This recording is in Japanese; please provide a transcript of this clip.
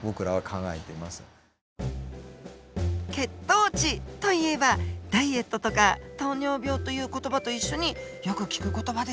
血糖値といえばダイエットとか糖尿病という言葉と一緒によく聞く言葉ですよね。